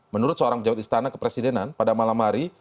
menurut seorang pejabat istana kepresidenan pada malam hari